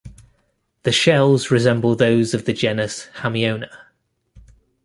The shells resemble those of the genus "Haminoea".